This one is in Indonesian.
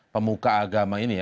pemuka agama ini ya